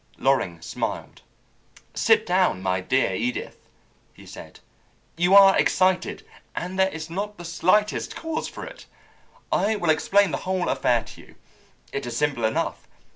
Loring smiled. "Sit down, my dear Edith," he said. "You are excited, and there is not the slightest cause for it. I will explain the whole affair to you. It is simple enough.